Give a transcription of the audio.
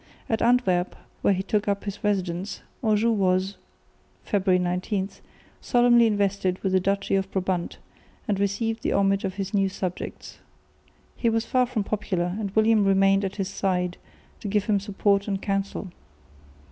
At Antwerp, where he took up his residence, Anjou was (February 19) solemnly invested with the duchy of Brabant, and received the homage of his new subjects. He was far from popular, and William remained at his side to give him support and counsel.